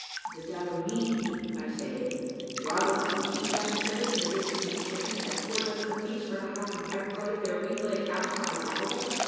"The Diomede I say, Robinson, a'n't that the frigate in which the midshipmen had four dozen apiece for not having pipe clayed their weekly accounts on the Saturday?"